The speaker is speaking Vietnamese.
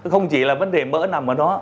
không chỉ là vấn đề mỡ nằm ở đó